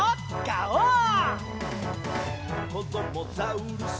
「こどもザウルス